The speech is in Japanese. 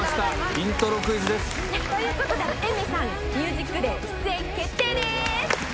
イントロクイズです。ということでＡｉｍｅｒさん『ＭＵＳＩＣＤＡＹ』出演決定です。